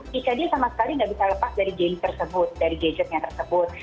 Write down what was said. jika dia sama sekali nggak bisa lepas dari game tersebut dari gadgetnya tersebut